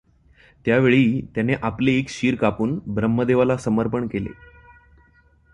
त्यावेळी त्याने आपले एक एक शिर कापून ब्रह्मदेवाला समर्पण केले.